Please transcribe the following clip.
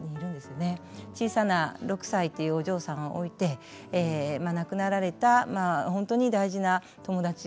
小さな６歳というお嬢さんを置いて亡くなられたほんとに大事な友達。